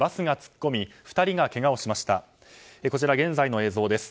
こちら現在の映像です。